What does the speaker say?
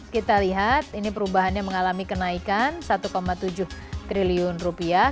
kita lihat ini perubahannya mengalami kenaikan satu tujuh triliun rupiah